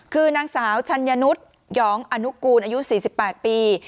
คือนางสาวชัญญนุษย์หองอนุกูลอายุ๔๘ปี